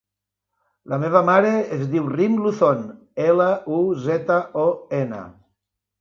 La meva mare es diu Rim Luzon: ela, u, zeta, o, ena.